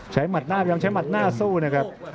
หมัดหน้าพยายามใช้หมัดหน้าสู้นะครับ